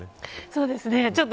そうですね。